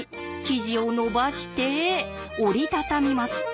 生地をのばして折り畳みます。